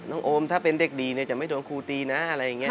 น้องโอมถ้าเป็นเด็กดีจะไม่โดนครูตีนะ